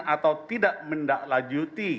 atau tidak mendaklanjuti